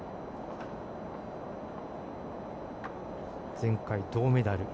前回、銅メダル。